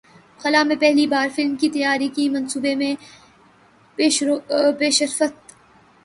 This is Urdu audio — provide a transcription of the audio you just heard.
خلا میں پہلی بار فلم کی تیاری کے منصوبے میں پیشرفت